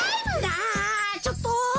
あちょっと。